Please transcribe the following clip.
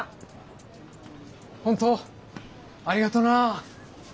本当ありがとうな。